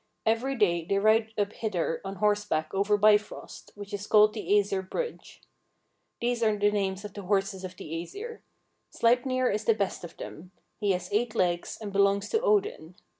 Every day they ride up hither on horseback over Bifrost, which is called the Æsir Bridge. These are the names of the horses of the Æsir. Sleipnir is the best of them; he has eight legs, and belongs to Odin.